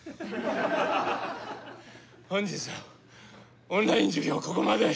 本日のオンライン授業はここまで。